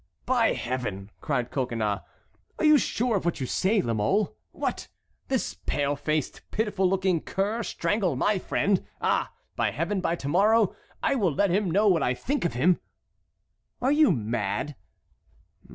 "By Heaven!" cried Coconnas, "are you sure of what you say, La Mole? What! this pale faced, pitiful looking cur strangle my friend! Ah! by Heaven, by to morrow I will let him know what I think of him." "Are you mad?"